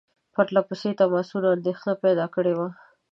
پرله پسې تماسونو اندېښنه پیدا کړې وه.